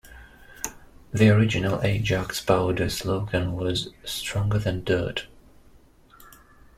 The original Ajax powder slogan was Stronger than dirt!